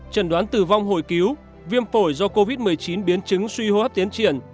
trần đoán tử vong hồi cứu viêm phổi do covid một mươi chín biến chứng suy hô hấp tiến triển